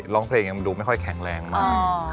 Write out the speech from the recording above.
ร้องเพลงยังดูไม่ค่อยแข็งแรงมาก